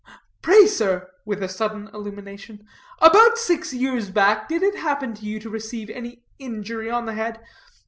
Pray, sir," with a sudden illumination, "about six years back, did it happen to you to receive any injury on the head?